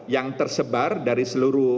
yang tersebar dari seluruh